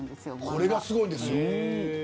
これが、すごいんですよ。